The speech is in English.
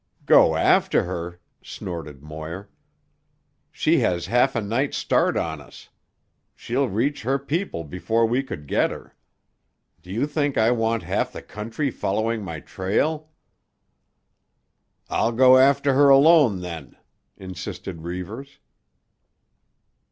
"Go after her!" snorted Moir. "She has half a night's start on us. She'll reach her people before we could get her. Do you think I want half the country following my trail." "I'll go after her alone then," insisted Reivers.